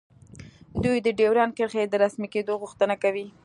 دوی د ډیورنډ کرښې د رسمي کیدو غوښتنه کوي